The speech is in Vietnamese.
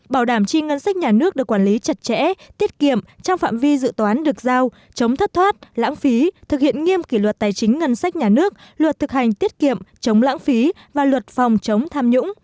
bảo đảm chi ngân sách nhà nước được quản lý chặt chẽ tiết kiệm trong phạm vi dự toán được giao chống thất thoát lãng phí thực hiện nghiêm kỷ luật tài chính ngân sách nhà nước luật thực hành tiết kiệm chống lãng phí và luật phòng chống tham nhũng